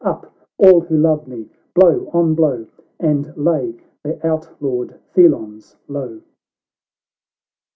— Up, all who love me ! blow on blow ! And lay the outlawed felons low